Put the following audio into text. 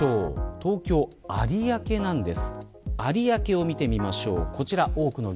東京、有明なんです。